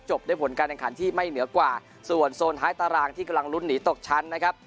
ด้วยผลการแข่งขันที่ไม่เหนือกว่าส่วนโซนท้ายตารางที่กำลังลุ้นหนีตกชั้นนะครับ